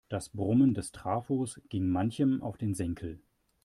Das Brummen des Trafos ging manchem auf den Senkel.